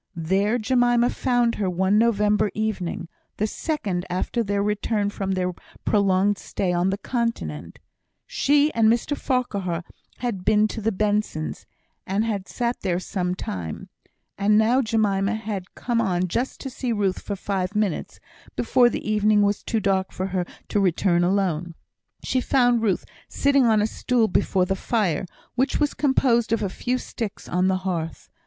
There Jemima found her one November evening, the second after their return from their prolonged stay on the Continent. She and Mr Farquhar had been to the Bensons, and had sat there some time; and now Jemima had come on just to see Ruth for five minutes, before the evening was too dark for her to return alone. She found Ruth sitting on a stool before the fire, which was composed of a few sticks on the hearth.